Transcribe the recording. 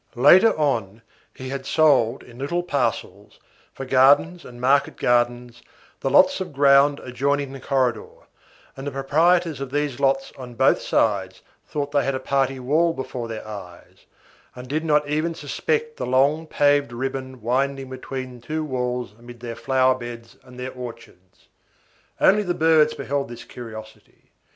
Later on, he had sold in little parcels, for gardens and market gardens, the lots of ground adjoining the corridor, and the proprietors of these lots on both sides thought they had a party wall before their eyes, and did not even suspect the long, paved ribbon winding between two walls amid their flower beds and their orchards. Only the birds beheld this curiosity.